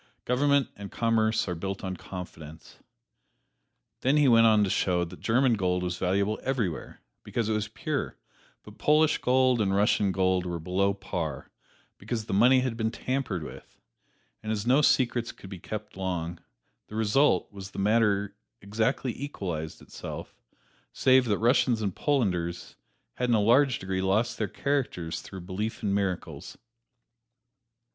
Government and commerce are built on confidence." Then he went on to show that German gold was valuable everywhere, because it was pure; but Polish gold and Russian gold were below par, because the money had been tampered with, and as no secrets could be kept long, the result was the matter exactly equalized itself, save that Russians and Polanders had in a large degree lost their characters through belief in miracles.